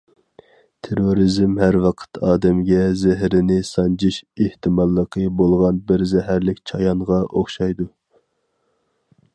تېررورىزم ھەر ۋاقىت ئادەمگە زەھىرىنى سانجىش ئېھتىماللىقى بولغان بىر زەھەرلىك چايانغا ئوخشايدۇ.